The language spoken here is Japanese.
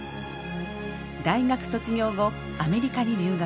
大学卒業後アメリカに留学。